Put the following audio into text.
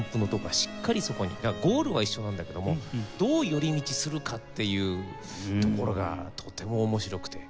だからゴールは一緒なんだけどもどう寄り道するかっていうところがとても面白くて。